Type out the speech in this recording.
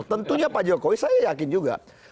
tentunya pak jokowi saya yakin juga